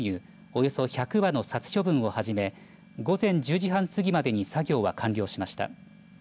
およそ１００羽の殺処分を始め午前１０時半過ぎまでに作業は完了しました。